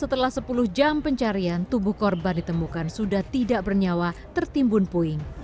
setelah sepuluh jam pencarian tubuh korban ditemukan sudah tidak bernyawa tertimbun puing